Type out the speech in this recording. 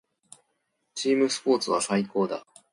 チームスポーツは最高だ。